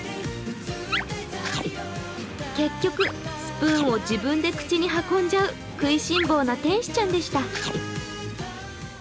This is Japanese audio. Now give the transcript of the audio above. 結局、スプーンを自分で口に運んじゃう食いしん坊な天使ちゃんでした。